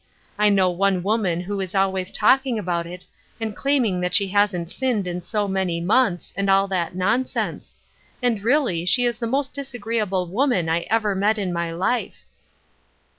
I know one woman who is always talking about it, and claiming that she hasn't sinned in so many months, and all that nonsense ; and really she is the most disagreeable woman I ever met in my life."